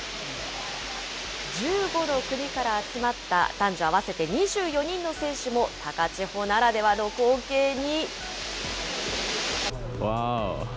１５の国から集まった男女合わせて２４人の選手も高千穂ならではの光景に。